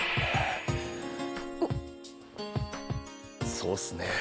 そうっすね